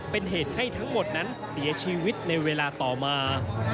เป็นเหตุให้ทั้งหมดนั้นเสียชีวิตในเวลาต่อมา